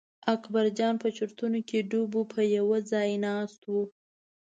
اکبرجان په چورتونو کې ډوب په یوه ځای ناست و.